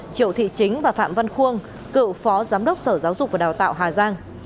triệu thị chính và phạm văn khuôn cựu phó giám đốc sở giáo dục và đào tạo hà giang